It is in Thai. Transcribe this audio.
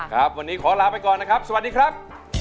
ครับวันนี้ขอลาไปก่อนนะครับสวัสดีครับ